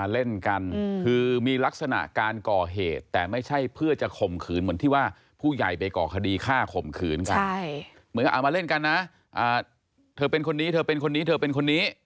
เล่นแบบพฤติกรรมแบบที่เคยเห็นมาอย่างนี้